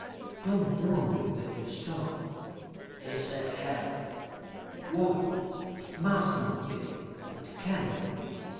"I do not wonder that you start," he said heavily. "War! It must not be. It cannot be!